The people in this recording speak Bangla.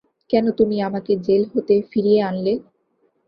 কেন তুমি আমাকে জেল হতে ফিরিয়ে আনলে।